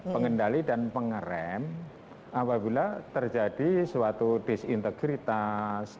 pengendali dan pengerem apabila terjadi suatu disintegritas